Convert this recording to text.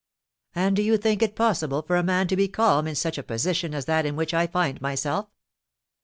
"And do you think it possible for a man to be calm in such a position as that in which I find myself?